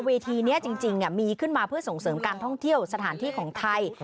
เวทีนี้จริงมีขึ้นมาเพื่อส่งเสริมการท่องเที่ยวสถานที่ของไทย